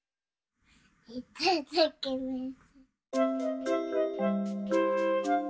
いただきます！